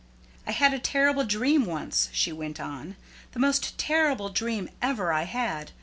"I had a terrible dream once," she went on; "the most terrible dream ever I had.